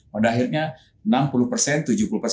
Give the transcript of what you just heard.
mada akhirnya enam puluh tujuh puluh itu berubah